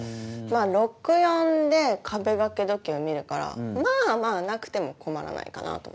まぁ６：４で壁掛け時計を見るからまぁまぁなくても困らないかなと思って。